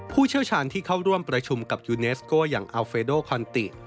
เชี่ยวชาญที่เข้าร่วมประชุมกับยูเนสโก้อย่างอัลเฟโดคอนติ